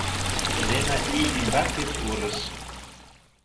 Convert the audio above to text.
Лена ий ӱмбаке пурыш.